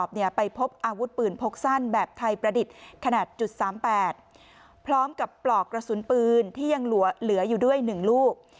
หนาจุดสามแปดพร้อมกับปลอกกระสุนปืนที่ยังเหลืออยู่ด้วยหนึ่งลูก